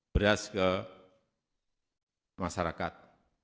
beras ke masyarakat